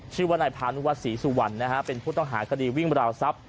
ชื่อว่านายพานุวัฒนศรีสุวรรณนะฮะเป็นผู้ต้องหาคดีวิ่งบราวทรัพย